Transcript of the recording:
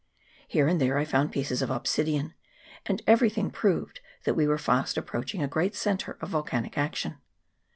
Here and there I found pieces of obsidian, and everything proved that we were fast approaching a great centre of volcanic action.